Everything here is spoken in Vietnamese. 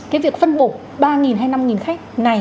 cái việc phân bổ ba hay năm khách này